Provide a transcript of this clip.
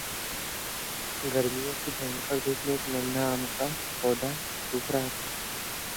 They decided therefore to put the project on hold.